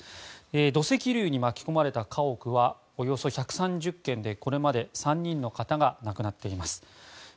土石流に巻き込まれた家屋はおよそ１３０軒でこれまで３人の方が亡くなっています。